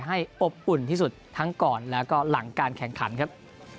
อบอุ่นที่สุดทั้งก่อนแล้วก็หลังการแข่งขันครับ